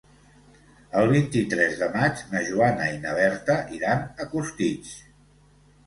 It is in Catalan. El vint-i-tres de maig na Joana i na Berta iran a Costitx.